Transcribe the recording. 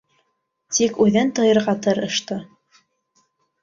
Тик үҙен тыйырға тырышты.